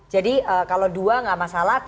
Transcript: jadi kalau dua gak masalah